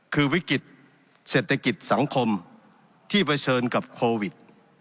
คือวิกฤตเศรษฐกิจสังคมที่เผชิญกับโควิด